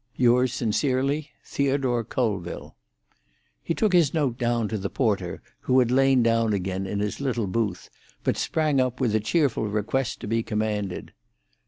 "Yours sincerely, THEODORE COLVILLE." He took his note down to the porter, who had lain down again in his little booth, but sprang up with a cheerful request to be commanded.